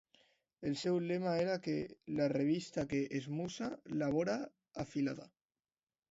El seu lema era que "la revista que esmussa la vora afilada".